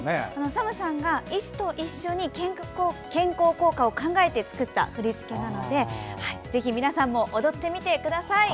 ＳＡＭさんが医師と一緒に健康効果を考えて作った振り付けなのでぜひ皆さんも踊ってみてください。